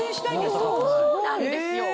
そうなんですよ。